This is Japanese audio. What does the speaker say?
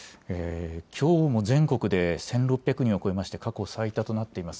きょうも全国で１６００人を超えまして、過去最多となっています。